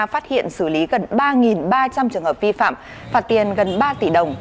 phát hiện xử lý gần ba ba trăm linh trường hợp vi phạm phạt tiền gần ba tỷ đồng